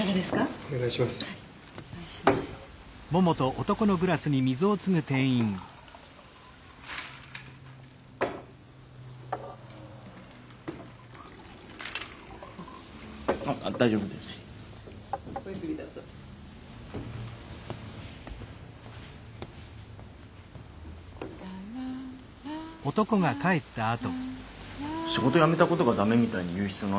仕事辞めたことが駄目みたいに言う必要ないじゃんね。